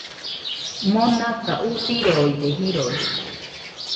Monaka usireode jirodɨkue.